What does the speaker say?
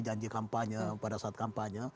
janji kampanye pada saat kampanye